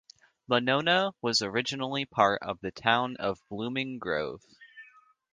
Monona was originally part of the Town of Blooming Grove.